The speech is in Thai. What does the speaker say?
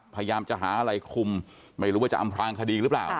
พยายามจะหาอะไรคุมไม่รู้ว่าจะอำพลางคดีหรือเปล่า